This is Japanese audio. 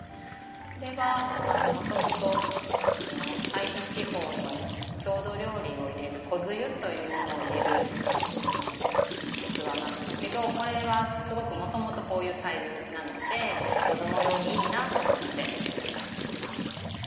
これはもともと会津地方の郷土料理を入れる「こづゆ」というものを入れる器なんですけどこれはもともとこういうサイズなので子ども用にいいなと思って使っています。